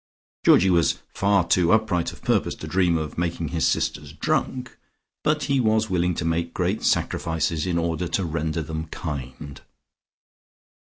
Georgie was far too upright of purpose to dream of making his sisters drunk, but he was willing to make great sacrifices in order to render them kind.